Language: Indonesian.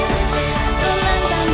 m ubah akar